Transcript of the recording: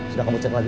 sudah kamu cek lagi